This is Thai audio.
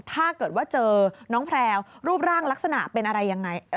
ถ้าเกิดว่าเจอน้องแพลวรูปร่างลักษณะเป็นอะไรยังไง